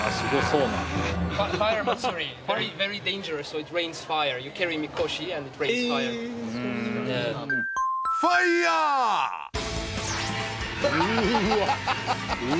うわ。